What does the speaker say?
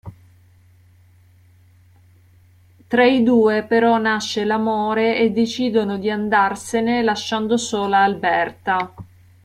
Tra di due però nasce l'amore e decidono di andarsene lasciando sola Alberta.